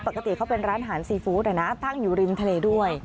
ปกติเค้าเป็นร้านขายอาหารซีฟู้ดเนี่ยนะตั้งอยู่รินทะเลด้วย